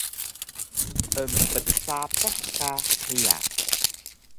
Emptsapuh ka hiya